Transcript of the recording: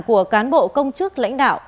của cán bộ công chức lãnh đạo